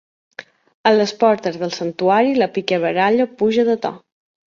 A les portes del santuari la picabaralla puja de to.